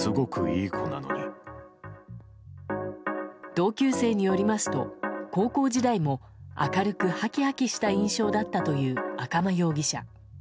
同級生によりますと高校時代も明るくはきはきした印象だったという赤間容疑者。